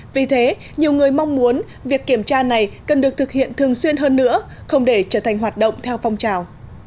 vì thế nhiều người mong muốn việc kiểm tra này cần được thực hiện thường xuyên hơn nữa không để trở thành hoạt động theo phong trào